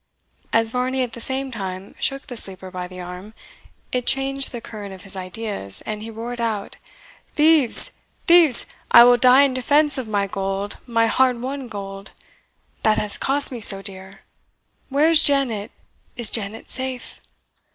As Varney at the same time shook the sleeper by the arm, it changed the current of his ideas, and he roared out, "Thieves! thieves! I will die in defence of my gold my hard won gold that has cost me so dear. Where is Janet? Is Janet safe?"